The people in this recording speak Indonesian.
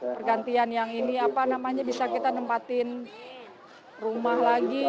pergantian yang ini apa namanya bisa kita nempatin rumah lagi